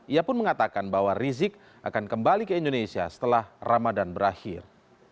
ia pun mengatakan bahwa rizik akan kembali ke indonesia setelah ramadan berakhir